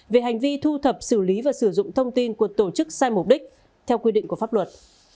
về hành vi thu thập xử lý và sử dụng thông tin của tổ chức sai mục đích theo quy định của pháp luật